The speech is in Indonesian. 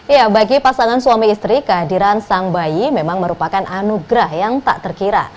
ya bagi pasangan suami istri kehadiran sang bayi memang merupakan anugerah yang tak terkira